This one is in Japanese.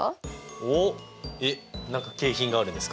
おおえっ何か景品があるんですか？